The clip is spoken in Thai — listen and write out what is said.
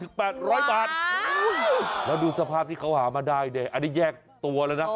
แล้วดูสภาพที่เขาหามาได้เนี่ยอันนี้แยกตัวแล้วนะ